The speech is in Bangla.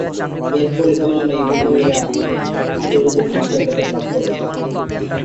এর ফলে দুজনেই মহিলা আন্তর্জাতিক মাস্টার খেতাব লাভ করেন।